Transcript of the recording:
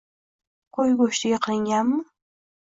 Qo'y go'shtiga qilinganmi?